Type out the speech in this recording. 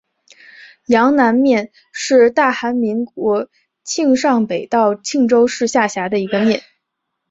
阳南面是大韩民国庆尚北道庆州市下辖的一个面。